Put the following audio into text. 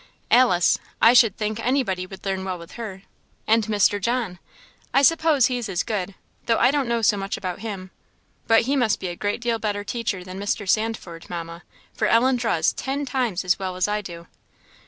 Alice I should think anybody would learn well with her; and Mr. John I suppose he's as good, though I don't know so much about him; but he must be a great deal better teacher than Mr. Sandford, Mamma, for Ellen draws ten times as well as I do!"